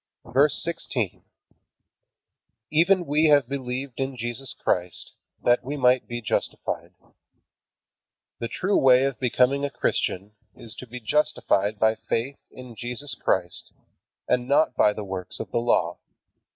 VERSE 16. Even we have believed in Jesus Christ, that we might be justified. The true way of becoming a Christian is to be justified by faith in Jesus Christ, and not by the works of the Law.